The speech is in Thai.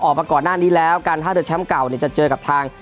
ออกมาก่อนหน้านี้แล้วการท่าเรือแชมป์เก่าเนี่ยจะเจอกับทาง